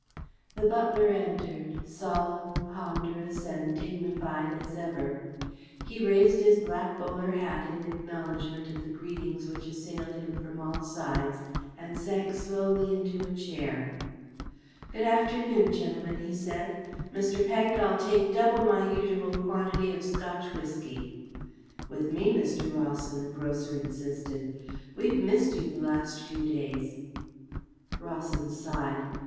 The butler entered, solemn, ponderous and dignified as ever. He raised his black bowler hat in acknowledgment of the greetings which assailed him from all sides and sank slowly into a chair. "Good afternoon, gentlemen," he said. "Mr. Pank, I'll take double my usual quantity of Scotch whisky." "With me, Mr. Rawson," the grocer insisted. "We've missed you the last few days." Rawson sighed.